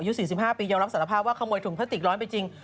ยุทธ์๔๕ปีเจ้ารับสารภาพว่าขโมยถุงพลาติกร้อนไปจริง